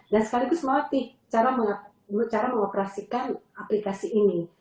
dan sekaligus melatih cara mengoperasikan aplikasi ini